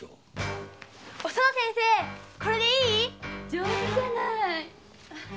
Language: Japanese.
上手じゃないの‼